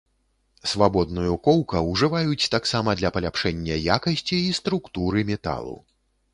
Свабодную коўка ўжываюць таксама для паляпшэння якасці і структуры металу.